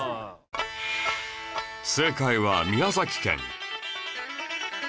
正解は宮崎県